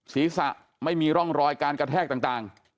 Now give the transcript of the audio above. ศีรษะไม่มีร่องรอยการกระแทกต่าง